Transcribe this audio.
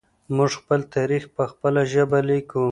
موږ خپل تاریخ په خپله ژبه لیکو.